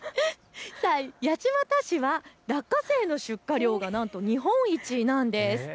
八街市は落花生の出荷量がなんと日本一なんです。